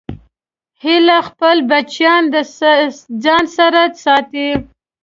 هیلۍ خپل بچیان د ځان سره ساتي